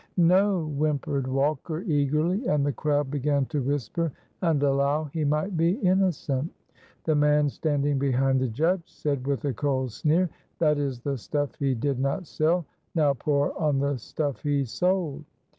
"No!" whimpered Walker, eagerly, and the crowd began to whisper and allow he might be innocent. The man standing behind the judge said, with a cold sneer: "That is the stuff he did not sell now pour on the stuff he sold."